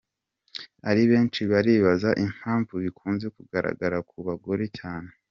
Ari benshi baribaza impamvu bikunze kugaragara ku bagore cyane.